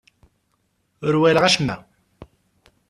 Ur walaɣ acemma.